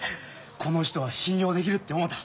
この人は信用できるって思った。